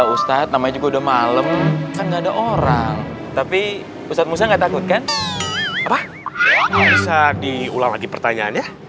ustaz musa diulang lagi pertanyaannya